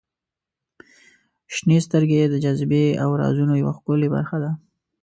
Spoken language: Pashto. • شنې سترګې د جاذبې او رازونو یوه ښکلې برخه ده.